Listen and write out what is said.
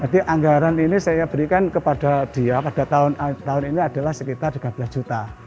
jadi anggaran ini saya berikan kepada dia pada tahun ini adalah sekitar tiga belas juta